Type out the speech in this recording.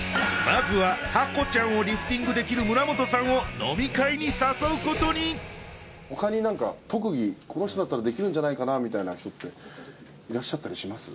まずはハコちゃんをリフティングできる村本さんを飲み会に誘うことに他に何か特技この人だったらできるんじゃないかなみたいな人いらっしゃったりします？